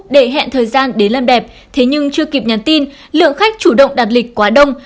để hẹn thời gian để làm đẹp thế nhưng chưa kịp nhắn tin lượng khách chủ động đặt lịch quá đông